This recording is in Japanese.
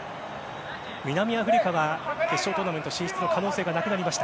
南アフリカは決勝トーナメント進出の可能性はなくなりました。